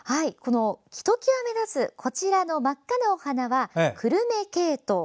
ひときわ目立つ真っ赤なお花はクルメケイトウ。